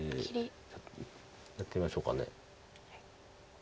やってみましょうか。